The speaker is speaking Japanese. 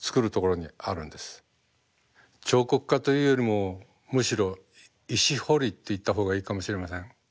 彫刻家というよりもむしろ石彫りと言った方がいいかもしれません。